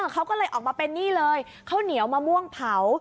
เขาก็เลยออกมาเป็นนี่เลยข้าวเหนียวมะม่วงเผา